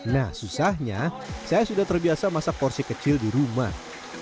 nah susahnya saya sudah terbiasa masak porsi kecil di rumah